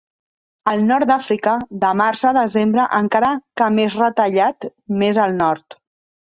Al nord d'Àfrica, de març a desembre, encara que més retallat més al nord.